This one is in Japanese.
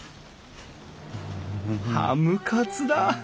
ハムカツだ！